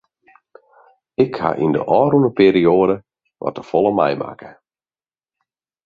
Ik ha yn de ôfrûne perioade wat te folle meimakke.